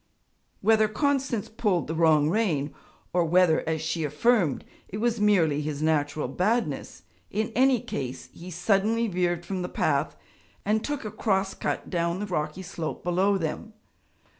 Whether Constance pulled the wrong rein, or whether, as she affirmed, it was merely his natural badness, in any case, he suddenly veered from the path and took a cross cut down the rocky slope below them.